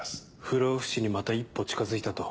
不老不死にまた一歩近づいたと？